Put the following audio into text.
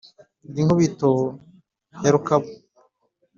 ndi nkubito ya rukabu